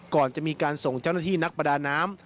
ก่อนจะมีการส่งเจ้าหน้าที่นักประดาน้ำ